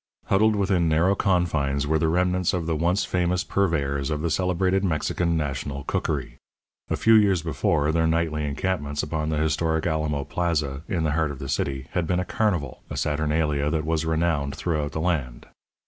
Huddled within narrow confines were the remnants of the once famous purveyors of the celebrated Mexican national cookery. A few years before, their nightly encampments upon the historic Alamo Plaza, in the heart of the city, had been a carnival, a saturnalia that was renowned throughout the land.